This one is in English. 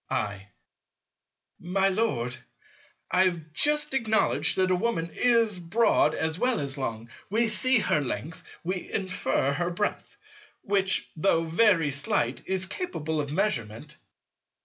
I. My Lord, I have just acknowledged that a Woman is broad as well as long. We see her length, we infer her breadth; which, though very slight, is capable of measurement.